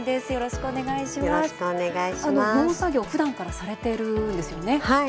農作業、ふだんからされているんですよね。